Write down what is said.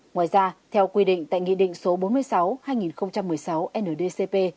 ngoài ra theo quy định tại nghị định số bốn mươi sáu hai nghìn một mươi sáu ndcp